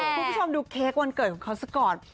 คุณผู้ชมดูเค้กวันเกิดของเขาสักก่อน